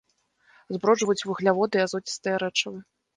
Зброджваюць вугляводы і азоцістыя рэчывы.